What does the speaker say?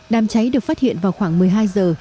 đám cháy được phát hiện vào khoảng một mươi hai giờ